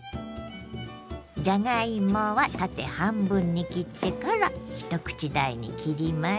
じゃがいもは縦半分に切ってから一口大に切ります。